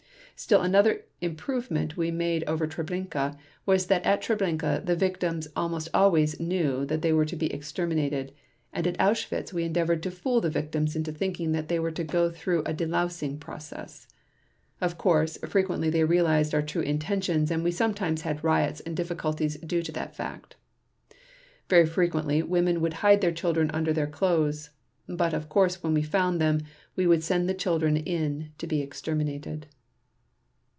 Still another improvement we made over Treblinka was that at Treblinka the victims almost always knew that they were to be exterminated and at Auschwitz we endeavored to fool the victims into thinking that they were to go through a delousing process. Of course, frequently they realized our true intentions and we sometimes had riots and difficulties due to that fact. Very frequently women would hide their children under their clothes, but of course when we found them we would send the children in to be exterminated."